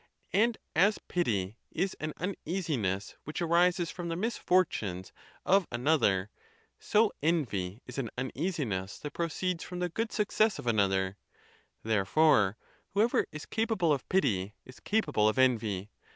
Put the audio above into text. And as pity is an uneasiness which arises from the misfortunes of an other, so envy is an uneasiness that proceeds from the good success of another: therefore whoever is capable of pity is capable of envy.